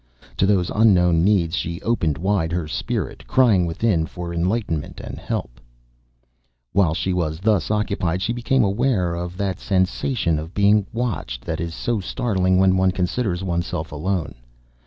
To those unknown needs she opened wide her spirit, crying within for enlightenment and help. While she was thus occupied, she became aware of that sensation of being watched that is so startling when one considers oneself alone.